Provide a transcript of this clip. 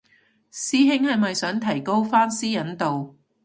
師兄係咪想提高返私隱度